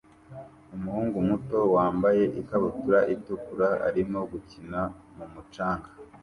Umuhungu muto wambaye ikabutura itukura arimo gukina mu mucanga